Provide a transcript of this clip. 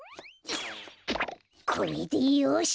これでよし！